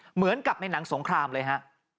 เหมือนกับในหนังสงครามเลยฮะ